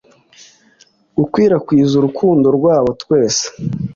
gukwirakwiza urukundo rwabo twese